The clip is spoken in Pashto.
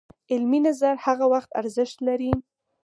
علمي نظر هغه وخت ارزښت لري